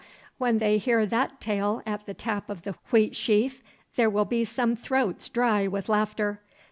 When they hear that tale at the tap of the Wheatsheaf, there will be some throats dry with laughter.